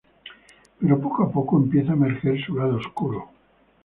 Pero poco a poco empieza a emerger su lado oscuro.